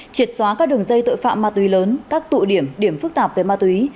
triệt xóa các đường dây tội phạm ma túy lớn các tụ điểm điểm phức tạp về ma túy